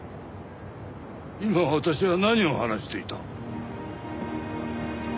今私は何を話していた？